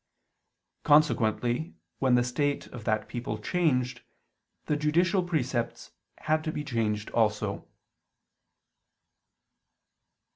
Consequently when the state of that people changed, the judicial precepts had to be changed also.